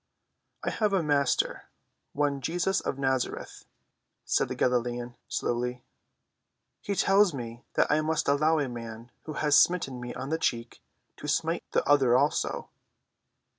"I have a Master, one Jesus of Nazareth," said the Galilean slowly. "He tells me that I must allow a man who has smitten me on one cheek to smite the other also."